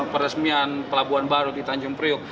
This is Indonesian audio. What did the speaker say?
peresmian pelabuhan baru di tanjung priok